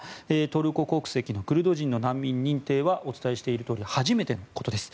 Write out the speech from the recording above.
トルコ国籍のクルド人難民認定はお伝えしているとおり初めてのことです。